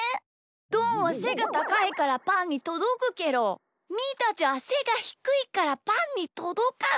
どんはせがたかいからパンにとどくけどみーたちはせがひくいからパンにとどかないんだ。